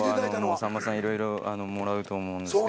さんまさんいろいろもらうと思うんですけど。